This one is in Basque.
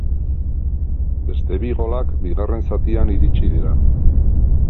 Beste bi golak bigarren zatian iritsi dira.